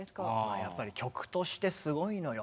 やっぱり曲としてすごいのよ。